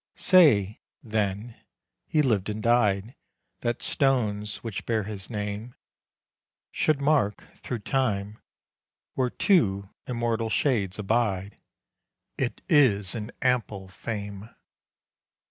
20 Say, then, he lived and died That stones which bear his name Should mark, through Time, where two immortal Shades abide; It is an ample fame.